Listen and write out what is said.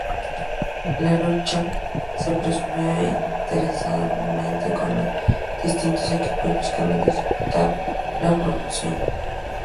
La lucha se presumía interesante con los distintos equipos buscando disputar la promoción.